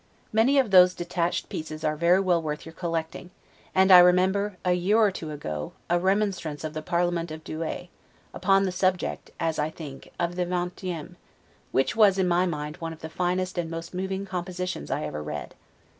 Many of those detached pieces are very well worth your collecting; and I remember, a year or two ago, a remonstrance of the parliament of Douay, upon the subject, as I think, of the 'Vingtieme', which was in my mind one of the finest and most moving compositions I ever read.